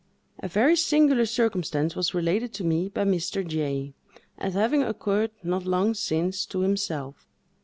A very singular circumstance was related to me by Mr. J——, as having occurred not long since to himself.